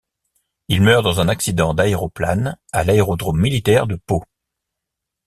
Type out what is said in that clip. Il meurt dans un accident d'aéroplane à l'aérodrome militaire de Pau.